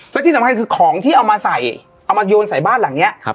และที่สำคัญคือของที่เอามาใส่เอามาโยนใส่บ้านหลังเนี้ย